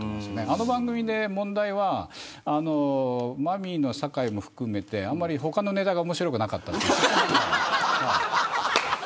あの番組の問題はマミィの酒井も含めてあまり他のネタが面白くなかった。